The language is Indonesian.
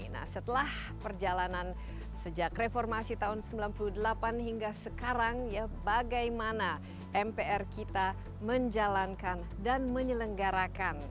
nah setelah perjalanan sejak reformasi tahun sembilan puluh delapan hingga sekarang ya bagaimana mpr kita menjalankan dan menyelenggarakan